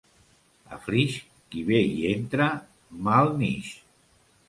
A Flix, qui bé hi entra mal n'ix.